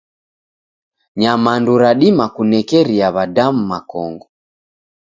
Nyamandu radima kunekeria w'adamu makongo.